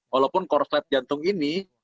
walaupun konslet jantung ini